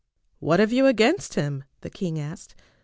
"What have you against him?" the king asked.